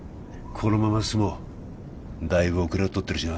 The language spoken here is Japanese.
このまま進もうだいぶおくれを取ってるしな